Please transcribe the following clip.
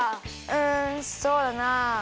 うんそうだな。